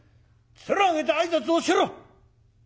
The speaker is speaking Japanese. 面上げて挨拶をしろ！